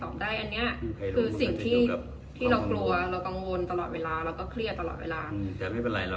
คือสิ่งที่เรากลัวเรากังวลตลอดเวลาเราก็เครียดตลอดเวลา